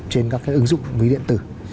trên các ứng dụng ví điện tử